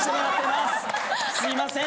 すいません。